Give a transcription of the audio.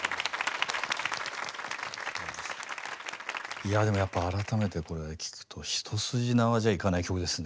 いやあでもやっぱ改めてこれを聴くと一筋縄じゃいかない曲ですね